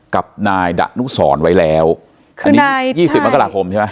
กับนายดะนุสรไว้แล้วอันนี้ยี่สิบมกราคมใช่ไหม